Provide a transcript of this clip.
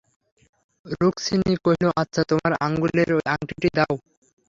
রুক্মিণী কহিল, আচ্ছা তোমার আঙুলের ওই আংটিটি দাও।